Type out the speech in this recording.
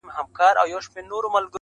اسمان چي مځکي ته راځي قیامت به سینه،،!